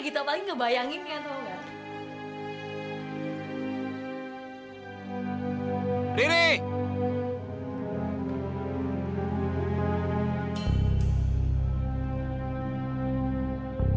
gitu paling ngebayangin ya tau gak